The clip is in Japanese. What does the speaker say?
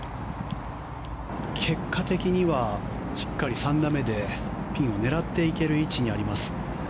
結果的にはしっかり３打目でピンを狙っていける位置にあります。